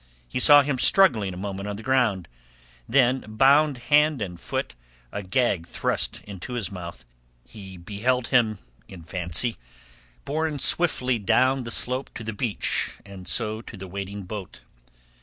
He saw him struggling a moment on the ground, then, bound hand and foot, a gag thrust into his mouth, he beheld him in fancy borne swiftly down the slope to the beach and so to the waiting boat.